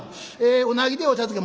「うなぎでお茶漬け」。